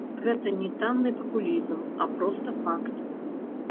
Гэта не танны папулізм, а проста факт.